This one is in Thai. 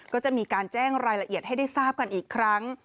ก็จะมีการแจ้งรายละเอียดให้ได้ทราบกันอีกครั้ง